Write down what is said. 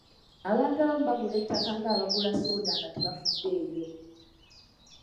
Abantu abamu bagula ettaka ng’abagula ssooda nga tebafuddeeyo.